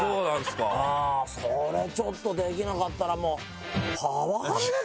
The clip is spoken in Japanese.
それちょっとできなかったらもう。